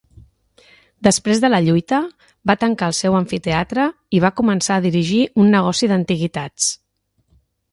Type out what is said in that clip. Després de la lluita, va tancar el seu amfiteatre, i va començar a dirigir un negoci d'antiguitats.